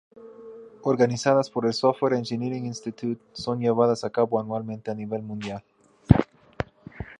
Organizadas por el Software Engineering Institute, son llevadas a cabo anualmente a nivel mundial.